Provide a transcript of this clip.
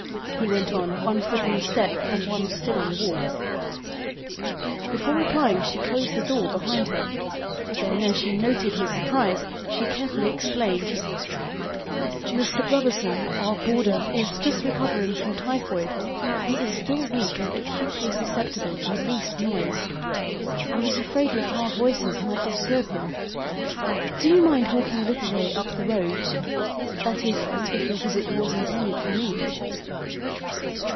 he went on, one foot on the step and one still on the walk. Before replying she closed the door behind her. Then as she noted his surprise she carefully explained: "Mr. Brotherson, our boarder, is just recovering from typhoid. He is still weak and acutely susceptible to the least noise. I was afraid that our voices might disturb him. Do you mind walking a little way up the road? That is, if your visit was intended for me."